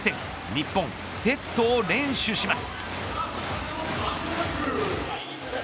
日本、セットを連取します。